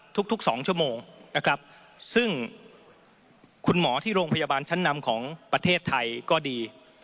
ทุก๒ชั่วโมงนะครับซึ่งคุณหมอที่โรงพยาบาลชั้นนำของประเทศไทยก็ดี